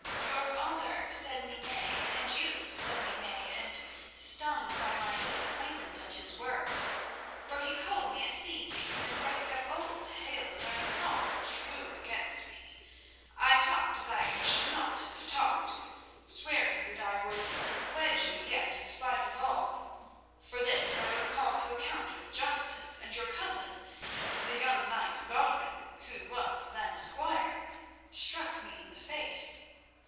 Your father said me nay, and you said me nay, and, stung by my disappointment and his words—for he called me sea thief and raked up old tales that are not true against me—I talked as I should not have done, swearing that I would wed you yet in spite of all. For this I was called to account with justice, and your cousin, the young knight Godwin, who was then a squire, struck me in the face.